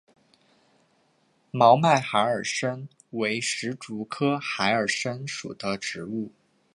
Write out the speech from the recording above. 毛脉孩儿参为石竹科孩儿参属的植物。